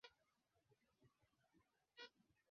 Simu yangu ni mpya.